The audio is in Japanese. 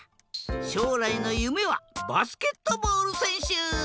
しょうらいのゆめはバスケットボールせんしゅ。